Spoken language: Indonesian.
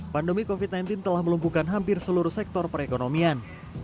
pandemi covid sembilan belas telah melumpuhkan hampir seluruh sektor perekonomian